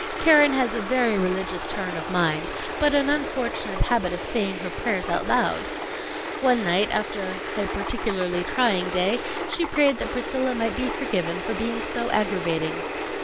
Keren has a very religious turn of mind, but an unfortunate habit of saying her prayers out loud. One night, after a peculiarly trying day, she prayed that Priscilla might be forgiven for being so aggravating.